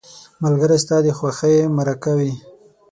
ملګری ستا د خوښۍ مرکه وي